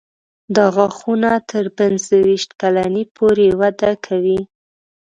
دا غاښونه تر پنځه ویشت کلنۍ پورې وده کوي.